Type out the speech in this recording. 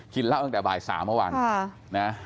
เป็นแล้วตั้งแต่บ่ายสามเมื่อวัน